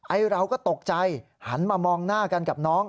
เราก็ตกใจหันมามองหน้ากันกับน้อง